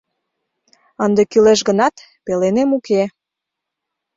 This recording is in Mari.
Ынде кӱлеш гынат, пеленем уке...